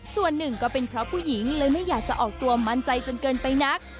ส่วนหนึ่งก็เป็นเพราะผู้หญิงเลยไม่อยากจะออกตัวมั่นใจจนเกินไปนัก